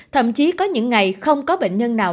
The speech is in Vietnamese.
thậm chí có những ngày không có bệnh nhân nào